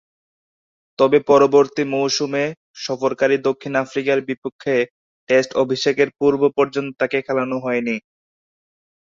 তবে, পরবর্তী মৌসুমে সফরকারী দক্ষিণ আফ্রিকার বিপক্ষে টেস্ট অভিষেকের পূর্ব-পর্যন্ত তাকে খেলানো হয়নি।